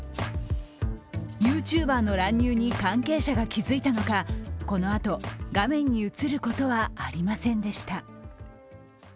ＹｏｕＴｕｂｅｒの乱入に関係者が気づいたのか、このあと画面に映ることはありませんでした。